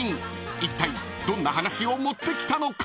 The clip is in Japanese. ［いったいどんな話を持ってきたのか］